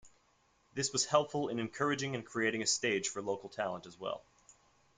This was helpful in encouraging and creating a stage for local talent, as well.